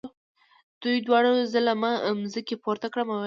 دوی دواړو زه له مځکې پورته کړم او ویې ویل.